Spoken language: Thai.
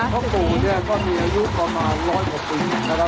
พ่อผู้เนี่ยก็มีอายุประมาณร้อยหกปีนะคะ